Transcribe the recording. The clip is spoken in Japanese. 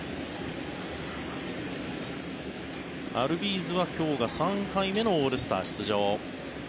アルビーズは今日が３回目のオールスター出場。